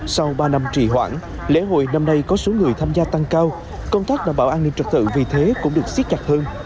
sau ba năm trì hoãn lễ hội năm nay có số người tham gia tăng cao công tác đảm bảo an ninh trật tự vì thế cũng được xiết chặt hơn